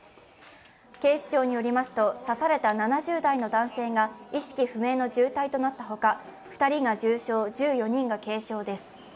警視庁によりますと、刺された７０代の男性が意識不明の重態となったほか、２人が重傷、１４人が軽傷です。